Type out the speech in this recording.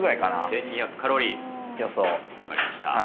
１２００カロリー、分かりました。